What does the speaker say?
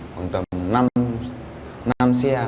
khoảng tầm năm xe